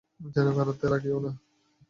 যেন তারা কেউই না।